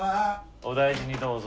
お大事にどうぞ。